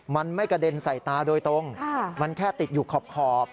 มันไม่กระเด็นใส่ตาโดยตรงมันแค่ติดอยู่ขอบ